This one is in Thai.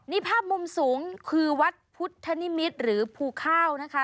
นี่ภาพมุมสูงคือวัดพุทธนิมิตรหรือภูข้าวนะคะ